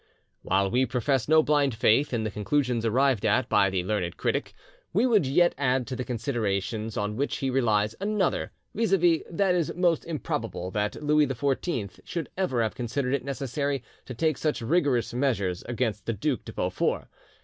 '" While we profess no blind faith in the conclusions arrived at by the learned critic, we would yet add to the considerations on which he relies another, viz. that it is most improbable that Louis XIV should ever have considered it necessary to take such rigorous measures against the Duc de Beaufort.